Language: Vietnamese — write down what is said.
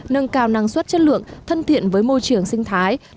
nâng cao năng suất chất lượng thân thiện với môi trường sinh thái